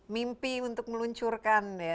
mimpi untuk meluncurkan